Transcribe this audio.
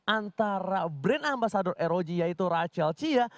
antara brand ambasador rog yaitu rachel chia